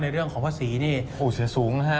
เรื่องของภาษีนี่โอ้โหเสียสูงนะฮะ